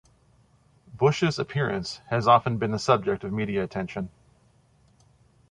Bush's appearance has often been the subject of media attention.